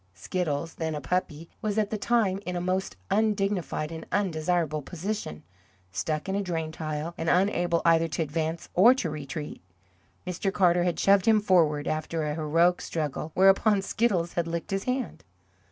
Skiddles, then a puppy, was at the time in a most undignified and undesirable position, stuck in a drain tile, and unable either to advance or to retreat. Mr. Carter had shoved him forward, after a heroic struggle, whereupon Skiddles had licked his hand.